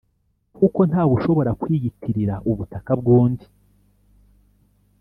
kuko nta wushobora kwiyitirira ubutaka bwundi